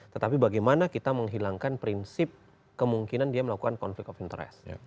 tetapi bagaimana kita menghilangkan prinsip kemungkinan dia melakukan konflik of interest